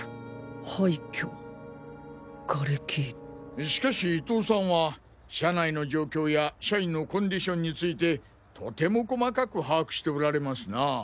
廃墟ガレキしかし伊東さんは社内の状況や社員のコンディションについてとても細かく把握しておられますなぁ。